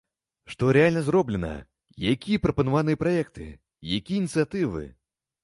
Што рэальна зроблена, якія прапанаваныя праекты, якія ініцыятывы?